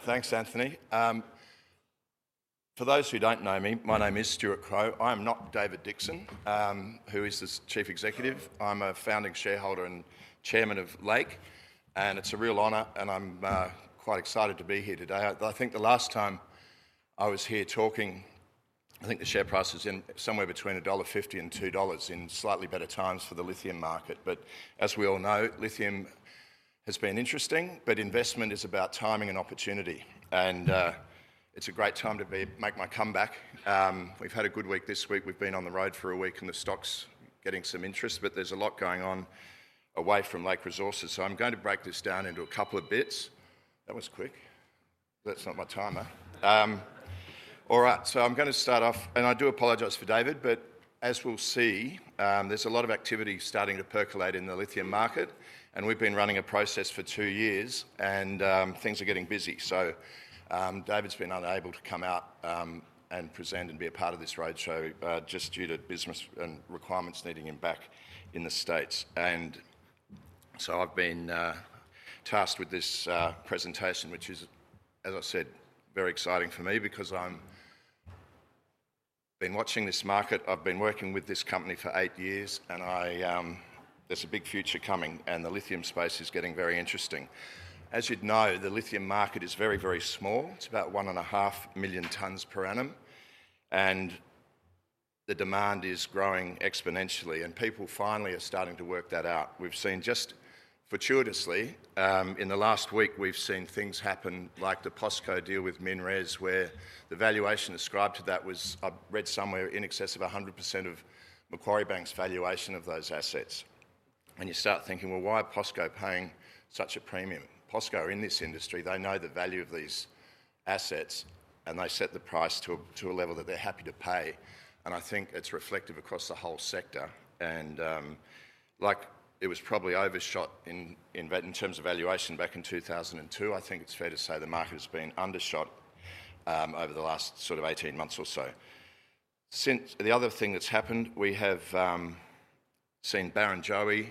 Thanks, Anthony. For those who do not know me, my name is Stuart Crow. I am not David Dickson, who is the Chief Executive. I am a founding shareholder and chairman of Lake, and it is a real honor, and I am quite excited to be here today. I think the last time I was here talking, I think the share price was somewhere between $1.50 and $2.00 in slightly better times for the lithium market. As we all know, lithium has been interesting, but investment is about timing and opportunity. It is a great time to make my comeback. We have had a good week this week. We have been on the road for a week, and the stock is getting some interest, but there is a lot going on away from Lake Resources. I am going to break this down into a couple of bits. That was quick. That is not my timer. All right, so I'm going to start off, and I do apologize for David, but as we'll see, there's a lot of activity starting to percolate in the lithium market, and we've been running a process for two years, and things are getting busy. David's been unable to come out and present and be a part of this roadshow just due to business and requirements needing him back in the States. I've been tasked with this presentation, which is, as I said, very exciting for me because I've been watching this market. I've been working with this company for eight years, and there's a big future coming, and the lithium space is getting very interesting. As you'd know, the lithium market is very, very small. It's about one and a half million tonnes per annum, and the demand is growing exponentially, and people finally are starting to work that out. We've seen just fortuitously, in the last week, we've seen things happen like the POSCO deal with MinRes, where the valuation ascribed to that was, I read somewhere, in excess of 100% of Macquarie Bank's valuation of those assets. You start thinking, well, why is POSCO paying such a premium? POSCO, in this industry, they know the value of these assets, and they set the price to a level that they're happy to pay. I think it's reflective across the whole sector. Like it was probably overshot in terms of valuation back in 2002, I think it's fair to say the market has been undershot over the last sort of 18 months or so. The other thing that's happened, we have seen Barronjoey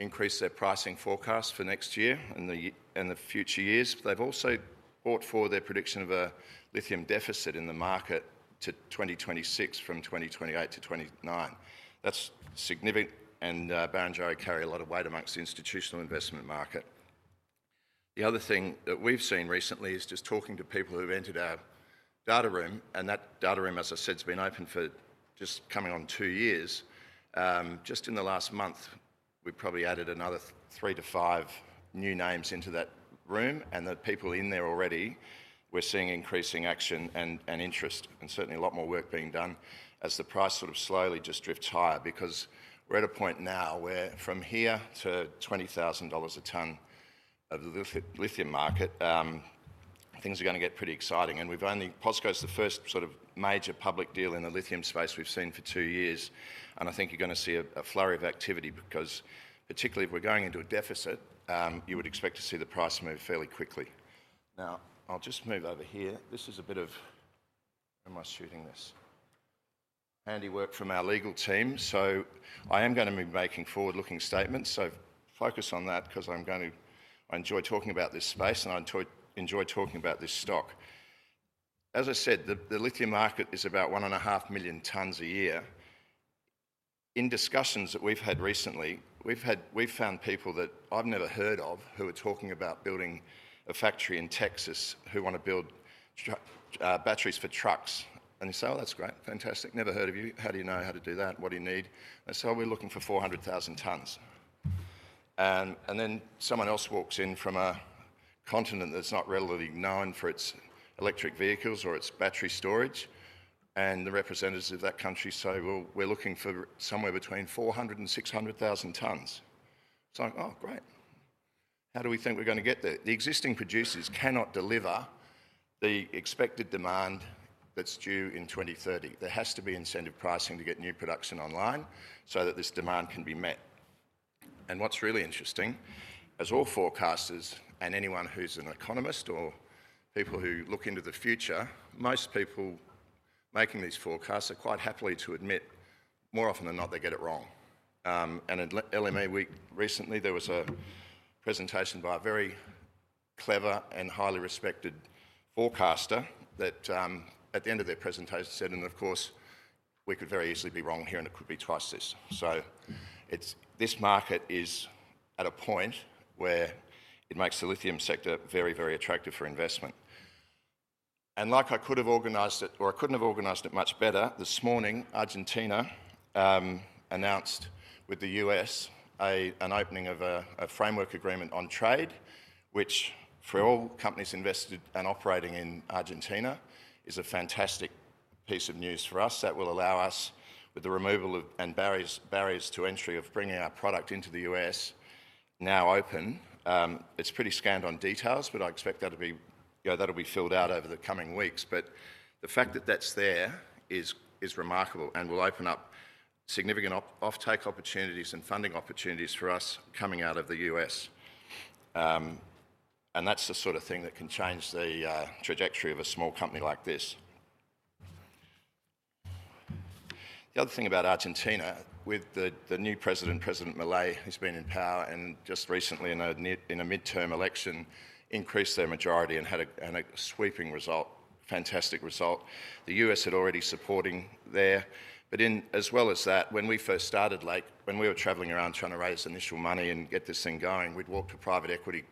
increase their pricing forecast for next year and the future years. They've also brought forward their prediction of a lithium deficit in the market to 2026 from 2028 to 2029. That's significant, and Barronjoey carry a lot of weight amongst the institutional investment market. The other thing that we've seen recently is just talking to people who've entered our data room, and that data room, as I said, has been open for just coming on two years. Just in the last month, we probably added another three to five new names into that room, and the people in there already were seeing increasing action and interest, and certainly a lot more work being done as the price sort of slowly just drifts higher because we're at a point now where from here to $20,000 a tonne of the lithium market, things are going to get pretty exciting. POSCO's the first sort of major public deal in the lithium space we've seen for two years, and I think you're going to see a flurry of activity because particularly if we're going into a deficit, you would expect to see the price move fairly quickly. Now, I'll just move over here. This is a bit of where am I shooting this? Handy work from our legal team. I am going to be making forward-looking statements, so focus on that because I enjoy talking about this space, and I enjoy talking about this stock. As I said, the lithium market is about 1.5 million tonnes a year. In discussions that we've had recently, we've found people that I've never heard of who are talking about building a factory in Texas who want to build batteries for trucks. They say, "Oh, that's great. Fantastic. Never heard of you. How do you know how to do that? What do you need?" I say, "Oh, we're looking for 400,000 tonnes." Then someone else walks in from a continent that's not readily known for its electric vehicles or its battery storage, and the representatives of that country say, "We're looking for somewhere between 400,000 and 600,000 tonnes." It's like, "Oh, great. How do we think we're going to get there? The existing producers cannot deliver the expected demand that's due in 2030. There has to be incentive pricing to get new production online so that this demand can be met. What's really interesting, as all forecasters and anyone who's an economist or people who look into the future, most people making these forecasts are quite happy to admit more often than not they get it wrong. At LME recently, there was a presentation by a very clever and highly respected forecaster that at the end of their presentation said, "And of course, we could very easily be wrong here, and it could be twice this." This market is at a point where it makes the lithium sector very, very attractive for investment. Like I could have organised it, or I couldn't have organised it much better, this morning, Argentina announced with the U.S. an opening of a framework agreement on trade, which for all companies invested and operating in Argentina is a fantastic piece of news for us that will allow us, with the removal of barriers to entry of bringing our product into the U.S., now open. It's pretty scanned on details, but I expect that will be filled out over the coming weeks. The fact that that's there is remarkable and will open up significant offtake opportunities and funding opportunities for us coming out of the U.S. That's the sort of thing that can change the trajectory of a small company like this. The other thing about Argentina, with the new president, President Milei, who's been in power and just recently, in a midterm election, increased their majority and had a sweeping result, fantastic result. The U.S. had already supporting there. As well as that, when we first started Lake, when we were travelling around trying to raise initial money and get this thing going, we'd walk to private equity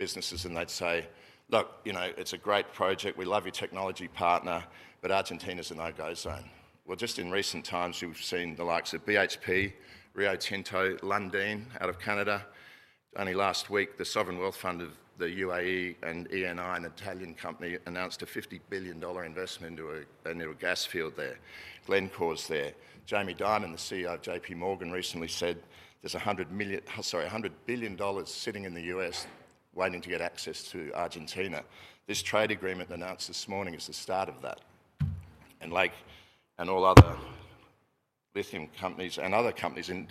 businesses and they'd say, "Look, it's a great project. We love your technology partner, but Argentina's a no-go zone." Just in recent times, you've seen the likes of BHP, Rio Tinto, Lundin out of Canada. Only last week, the sovereign wealth fund of the UAE and Eni, an Italian company, announced a $50 billion investment into a new gas field there, Glencore's there. Jamie Dimon, the CEO of JPMorgan, recently said there's $100 billion sitting in the U.S. waiting to get access to Argentina. This trade agreement announced this morning is the start of that. Lake and all other lithium companies and other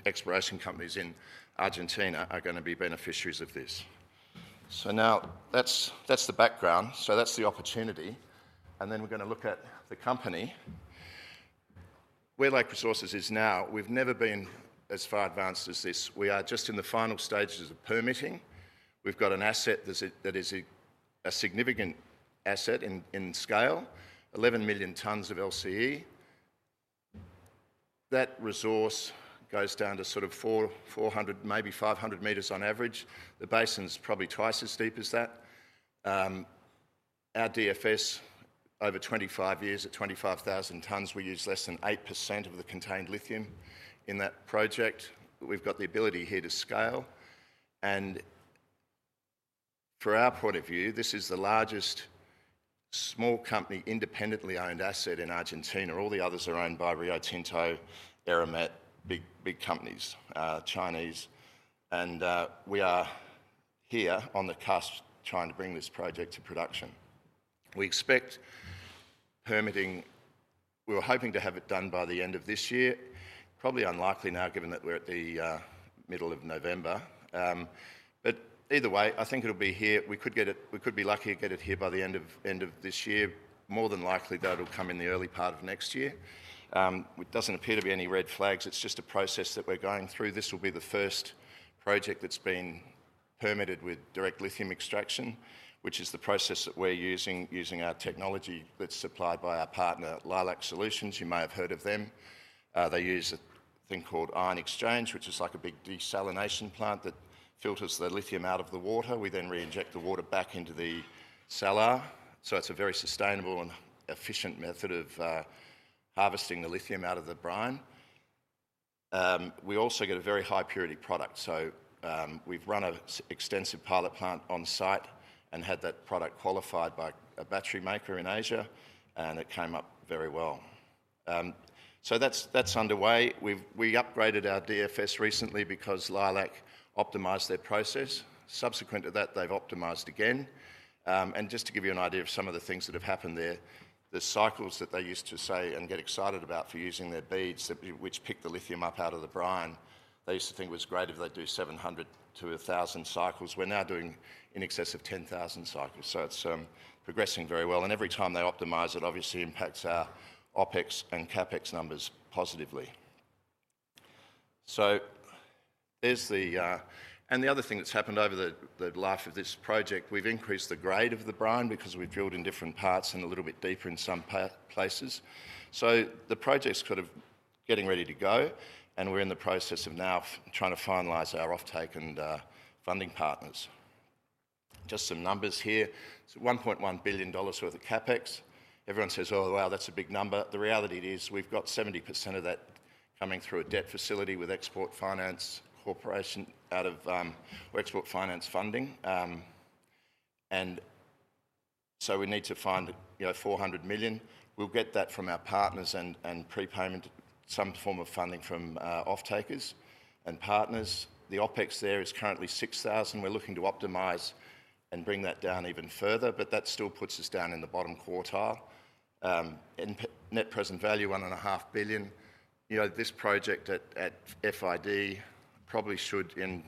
exploration companies in Argentina are going to be beneficiaries of this. Now that's the background. That's the opportunity. We're going to look at the company. Where Lake Resources is now, we've never been as far advanced as this. We are just in the final stages of permitting. We've got an asset that is a significant asset in scale, 11 million tonnes of LCE. That resource goes down to sort of 400 m, maybe 500 m on average. The basin's probably twice as deep as that. Our DFS, over 25 years, at 25,000 tonnes, we use less than 8% of the contained lithium in that project. We've got the ability here to scale. From our point of view, this is the largest small company independently owned asset in Argentina. All the others are owned by Rio Tinto, Eramet, big companies, Chinese. We are here on the cusp trying to bring this project to production. We expect permitting; we were hoping to have it done by the end of this year. Probably unlikely now, given that we're at the middle of November. Either way, I think it'll be here. We could be lucky to get it here by the end of this year. More than likely, that'll come in the early part of next year. It doesn't appear to be any red flags. It's just a process that we're going through. This will be the first project that's been permitted with direct lithium extraction, which is the process that we're using, using our technology that's supplied by our partner, Lilac Solutions. You may have heard of them. They use a thing called ion exchange, which is like a big desalination plant that filters the lithium out of the water. We then re-inject the water back into the salar. It is a very sustainable and efficient method of harvesting the lithium out of the brine. We also get a very high purity product. We have run an extensive pilot plant on site and had that product qualified by a battery maker in Asia, and it came up very well. That is underway. We upgraded our DFS recently because Lilac optimised their process. Subsequent to that, they have optimised again. Just to give you an idea of some of the things that have happened there, the cycles that they used to say and get excited about for using their beads, which pick the lithium up out of the brine, they used to think was great if they do 700-1,000 cycles. We're now doing in excess of 10,000 cycles. It is progressing very well. Every time they optimise it, obviously impacts our OpEx and CapEx numbers positively. The other thing that has happened over the life of this project, we've increased the grade of the brine because we've drilled in different parts and a little bit deeper in some places. The project's sort of getting ready to go, and we're in the process of now trying to finalise our offtake and funding partners. Just some numbers here. It's $1.1 billion worth of CapEx. Everyone says, "Oh, wow, that's a big number." The reality is we've got 70% of that coming through a debt facility with Export Finance Australia out of export finance funding. And so we need to find $400 million. We'll get that from our partners and prepayment, some form of funding from offtakers and partners. The OpEx there is currently $6,000. We're looking to optimise and bring that down even further, but that still puts us down in the bottom quartile. Net present value, $1.5 billion. This project at FID probably should, in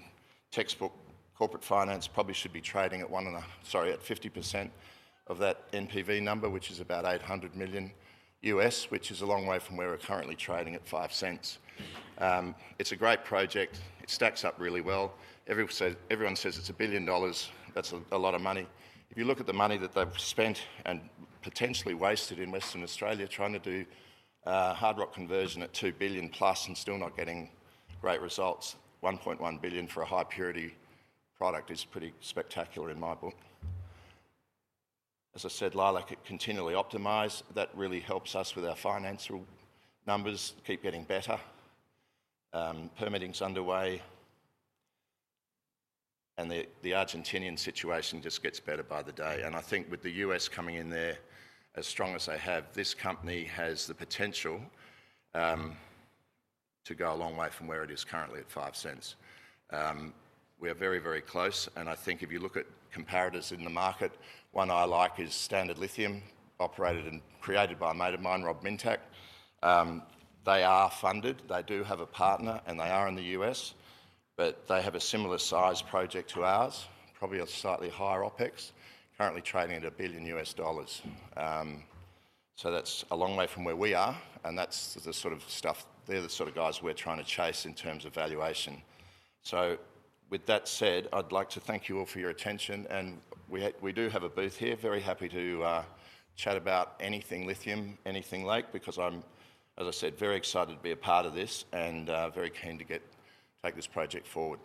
textbook corporate finance, probably should be trading at one and a, sorry, at 50% of that NPV number, which is about $800 million, which is a long way from where we're currently trading at five cents. It's a great project. It stacks up really well. Everyone says it's a billion dollars. That's a lot of money. If you look at the money that they've spent and potentially wasted in Western Australia trying to do hard rock conversion at $2 billion plus and still not getting great results, $1.1 billion for a high purity product is pretty spectacular in my book. As I said, Lilac continually optimised. That really helps us with our financial numbers keep getting better. Permitting's underway. The Argentinian situation just gets better by the day. I think with the U.S. coming in there as strong as they have, this company has the potential to go a long way from where it is currently at $0.05. We are very, very close. I think if you look at comparators in the market, one I like is Standard Lithium, operated and created by a mate of mine, Rob Mintek. They are funded. They do have a partner, and they are in the U.S., but they have a similar size project to ours, probably a slightly higher OpEx, currently trading at $1 billion. That is a long way from where we are, and that is the sort of stuff, they are the sort of guys we are trying to chase in terms of valuation. With that said, I would like to thank you all for your attention. We do have a booth here. Very happy to chat about anything lithium, anything Lake, because I am, as I said, very excited to be a part of this and very keen to take this project forward.